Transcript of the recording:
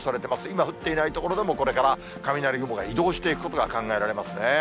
今、降っていない所でも、これから雷雲が移動していくことが考えられますね。